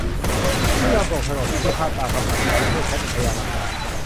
ไม่ยอมส่งโฉนดที่พิพาทตามคำสั่งศาล เพื่อใช้เป็นพยานหลักฐาน